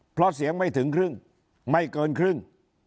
เพราะเสียงไม่ถึงครึ่งไม่เกินครึ่ง